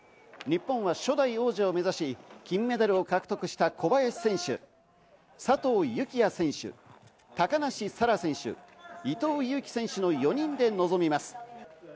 日本は初代王者を目指し、金メダルを獲得した小林選手、佐藤幸椰選手、高梨沙羅選手、伊藤有希選手の４人で臨みます。